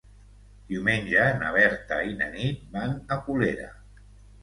Diumenge na Berta i na Nit van a Colera.